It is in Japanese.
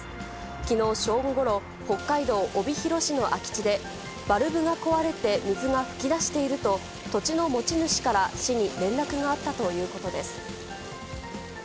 きのう正午ごろ、北海道帯広市の空き地で、バルブが壊れて水が噴き出していると、土地の持ち主から市に連絡があったということです。